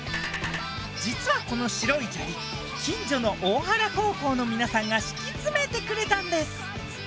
実はこの白い砂利近所の大原高校の皆さんが敷き詰めてくれたんです。